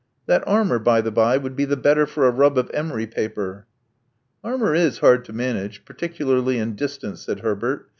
That armor, by the bye, would be the better for a rub of emery paper. '* Armor is hard to manage, particularly in distance, '' said Herbert.